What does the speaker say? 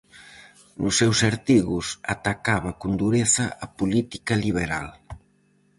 Nos seus artigos atacaba con dureza a política liberal.